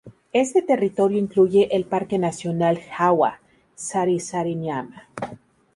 Este territorio incluye el parque nacional Jaua-Sarisariñama.